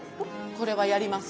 これはやります。